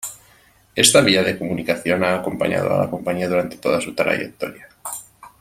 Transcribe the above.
Esta vía de comunicación ha acompañado a la compañía durante toda su trayectoria.